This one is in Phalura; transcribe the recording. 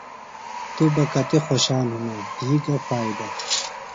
توۡ بہ کتیۡ خوشان ہِنوۡ۔ دھی گہ فائدہ ؟